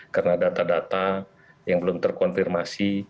karena data data yang belum terkonfirmasi